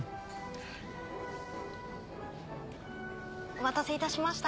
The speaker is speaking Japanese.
お待たせいたしました。